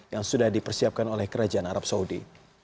yang sudah dipersiapkan oleh kerajaan arab saudi